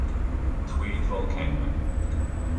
Tweed Volcano